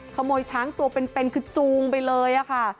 ขโมยช้างตัวเป็นคือจูงไปเลยค่ะ